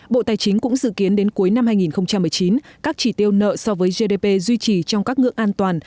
bộ tài chính cũng dự kiến đến cuối năm hai nghìn một mươi chín các chỉ tiêu nợ so với gdp duy trì trong các ngưỡng an toàn